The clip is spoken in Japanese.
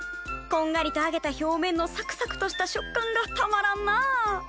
こんがりとあげた表面のサクサクとした食感がたまらんなあ。